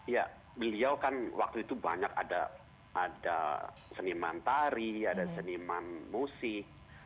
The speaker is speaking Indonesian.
ya beliau kan waktu itu banyak ada seniman tari ada seniman musik